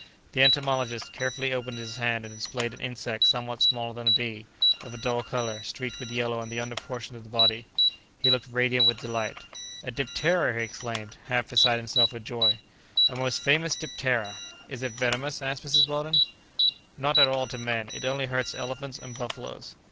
The entomologist carefully opened his hand and displayed an insect somewhat smaller than a bee, of a dull colour, streaked with yellow on the under portion of the body. He looked radiant with delight. "A diptera!" he exclaimed, half beside himself with joy, "a most famous diptera!" "Is it venomous?" asked Mrs. Weldon. "Not at all to men; it only hurts elephants and buffaloes."